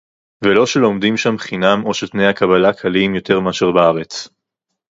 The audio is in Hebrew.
ולא שלומדים שם חינם או שתנאי הקבלה קלים יותר מאשר בארץ